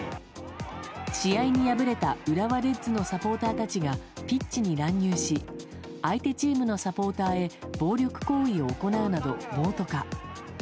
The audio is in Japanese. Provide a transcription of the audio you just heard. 試合に敗れた浦和レッズのサポーターたちがピッチに乱入し、相手チームのサポーターへ暴力行為を行うなど暴徒化。